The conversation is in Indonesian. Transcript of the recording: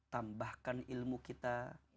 tambahkan ilmu kita